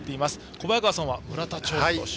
小早川さんは村田兆治投手。